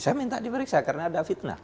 saya minta diperiksa karena ada fitnah